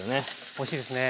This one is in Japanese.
おいしいですね。